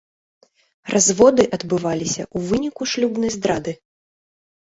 Разводы адбываліся ў выніку шлюбнай здрады.